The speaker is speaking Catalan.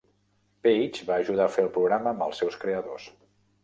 Page va ajudar a fer el programa amb els seus creadors.